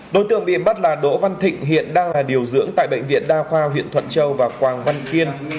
đối tượng bị bắt là đỗ văn thịnh hiện đang là điều dưỡng tại bệnh viện đa khoa huyện thuận châu và quang văn kiên